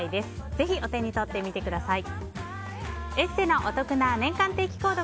ぜひ、お手に取ってみてください。